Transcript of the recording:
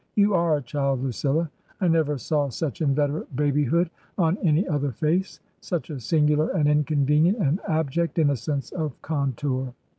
You are a child, Lucilla! I never saw such inveterate babyhood on any other face — such a singular and inconvenient and abject innocence of contour."